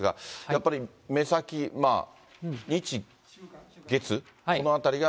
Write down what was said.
やっぱり目先、日、月、このあたりが。